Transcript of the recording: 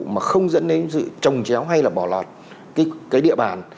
mà không dẫn đến sự trồng chéo hay là bỏ lọt cái địa bàn